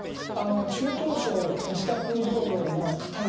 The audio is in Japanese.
中等症、自宅療養の方々。